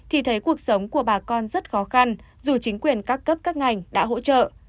thì thấy cuộc sống của bà con rất khó khăn dù chính quyền các cấp các ngành đã hỗ trợ